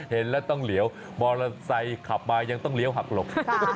เห็นแล้วต้องเหลียวมอเตอร์ไซค์ขับมายังต้องเลี้ยวหักหลบ